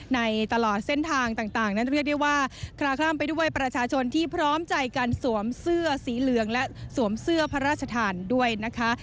ในตลอดเส้นทางต่างนั้นเรียกได้ว่าคลาคล่ำไปด้วยประชาชนที่พร้อมใจการสวมเสื้อสีเหลืองและสวมเสื้อพระราชทานด้วยนะคะ